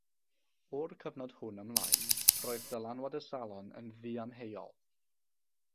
O'r cyfnod hwn ymlaen, roedd dylanwad y Salon yn ddiamheuol.